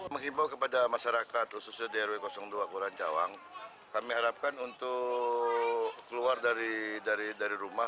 mengimbau kepada masyarakat khususnya drw dua kelurahan cawang kami harapkan untuk keluar dari rumah